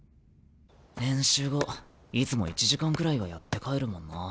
練習後いつも１時間くらいはやって帰るもんな。